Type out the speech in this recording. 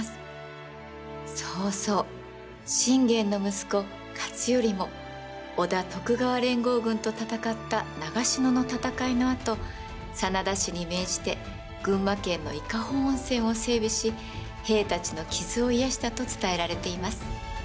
そうそう信玄の息子勝頼も織田・徳川連合軍と戦った長篠の戦いのあと真田氏に命じて群馬県の伊香保温泉を整備し兵たちの傷を癒やしたと伝えられています。